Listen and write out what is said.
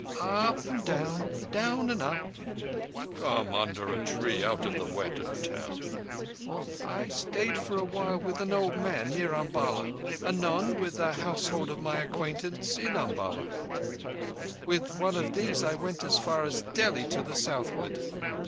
"Up and down—down and up." "Come under a tree, out of the wet, and tell." "I stayed for a while with an old man near Umballa; anon with a household of my acquaintance in Umballa. With one of these I went as far as Delhi to the southward.